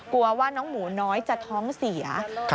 กลัวว่าน้องหมูน้อยจะท้องเสีย